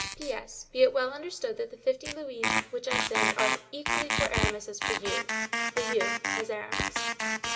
"P.S.—Be it well understood that the fifty louis which I send are equally for Aramis as for you—for you as Aramis."